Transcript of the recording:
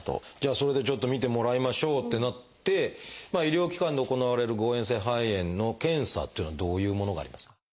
それでちょっと診てもらいましょうってなって医療機関で行われる誤えん性肺炎の検査っていうのはどういうものがありますか？